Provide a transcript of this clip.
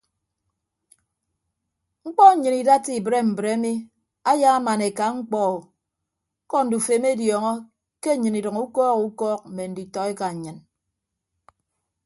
Mkpọ nnyịn idatta mbre mbre mi ayaaman eka mkpọ o ñkọ ndufo emediọñọ ke nnyịn idʌño ukọọk ukọọk mme nditọ eka nnyịn.